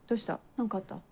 何かあった？